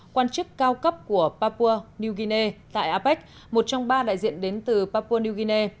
quan chức cao cấp của papua new guinea tại apec một trong ba đại diện đến từ papua new guinea